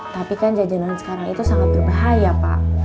tapi kan jajanan sekarang itu sangat berbahaya pak